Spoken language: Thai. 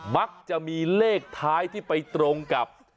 มักจะมีเลขท้ายที่ไปตรงกับ